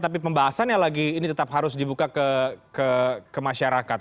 tapi pembahasannya lagi ini tetap harus dibuka ke masyarakat